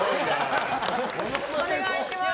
お願いします。